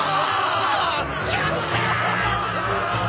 キャプテン！